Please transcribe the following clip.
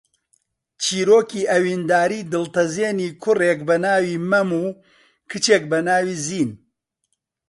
چیرۆکی ئەوینداریی دڵتەزێنی کوڕێک بە ناوی مەم و کچێک بە ناوی زین